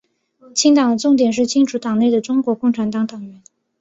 清党的重点是清除党内的中国共产党党员。